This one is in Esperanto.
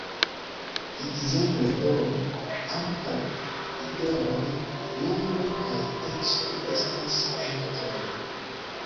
Ekzemple do, ankaŭ ideoj, nombroj kaj ecoj estas entoj.